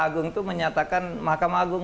agung itu menyatakan mahkamah agung